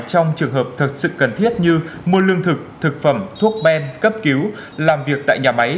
trong trường hợp thật sự cần thiết như mua lương thực thực phẩm thuốc ben cấp cứu làm việc tại nhà máy